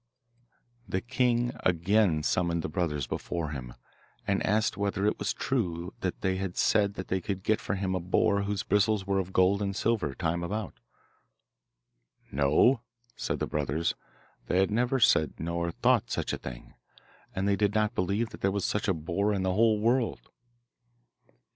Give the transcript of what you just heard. The king again summoned the brothers before him, and asked whether it was true that they had said that they could get for him a boar whose bristles were of gold and silver time about. 'No,' said the brothers; they had never said nor thought such a thing, and they did not believe that there was such a boar in the whole world.